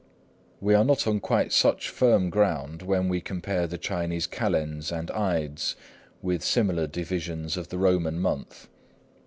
We are not on quite such firm ground when we compare the Chinese kalends and ides with similar divisions of the Roman month.